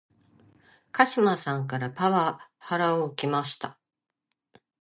鹿島さんからパワハラを受けました